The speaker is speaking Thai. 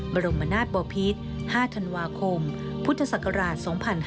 บรมนาศบอพิษ๕ธันวาคมพุทธศักราช๒๕๕๙